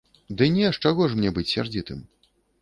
Ды не, з чаго ж мне быць сярдзітым?